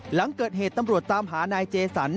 หลังเกิดเหตุตำรวจตามหานายเจสัน